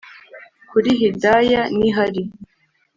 kuri hidaya niho ari